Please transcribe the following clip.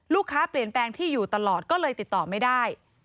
เปลี่ยนแปลงที่อยู่ตลอดก็เลยติดต่อไม่ได้